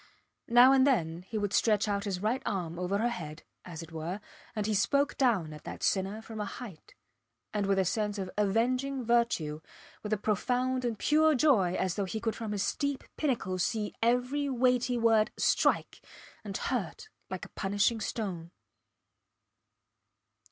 Now and then he would stretch out his right arm over her head, as it were, and he spoke down at that sinner from a height, and with a sense of avenging virtue, with a profound and pure joy as though he could from his steep pinnacle see every weighty word strike and hurt like a punishing stone.